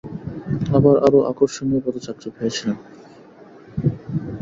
আবার আরও আকর্ষণীয় পদে চাকরি পেয়েছিলেন।